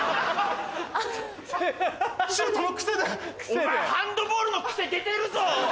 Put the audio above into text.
お前ハンドボールの癖出てるぞ！